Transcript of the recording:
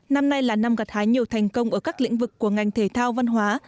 năm nay là năm gặt hái nhiều thành công ở các lĩnh vực của ngành thể thao văn hóa